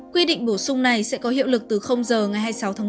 quy định bổ sung này sẽ có hiệu lực từ giờ ngày hai mươi sáu tháng một mươi